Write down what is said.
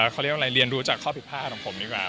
ว่าทีนี้ผมเรียนดูจากข้อผิดพลาดของผมดีกว่า